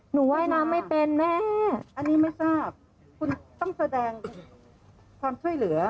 หนูว่ายน้ำไม่เป็นแม่